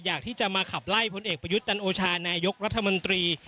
อยากที่จะมาขับไล่พลเอกประยุทธ์จันโอชานายกรัฐมนตรี